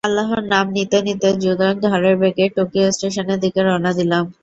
আল্লাহর নাম নিতে নিতে দুজন ঝড়ের বেগে টোকিও স্টেশনের দিকে রওনা দিলাম।